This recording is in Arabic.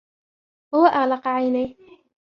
هو أغلق عينيه.